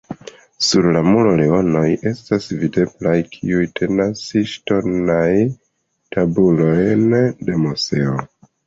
Sur la muro leonoj estas videblaj, kiuj tenas ŝtonajn tabulojn de Moseo.